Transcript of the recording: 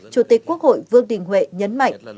chủ tịch quốc hội vương đình huệ nhấn mạnh